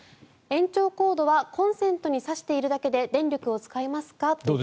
延長コードはコンセントに挿しているだけで電力は使えますか？